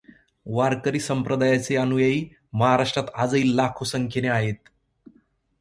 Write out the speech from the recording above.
वारकरी संप्रदायाचे अनुयायी महाराष्ट्रात आजही लाखो संख्येने आहेत.